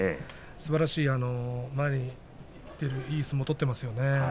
すばらしい前に出るいい相撲を取っていますよね。